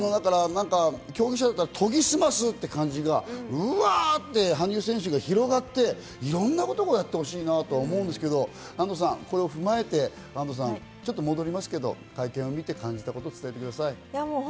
競技者だったら研ぎ澄ますっていう感じがうわって、羽生選手が広がって、いろんなことやってほしいなと思うんですけど、安藤さん、これを踏まえて戻りますけど、会見を見て感じたことを伝えてください。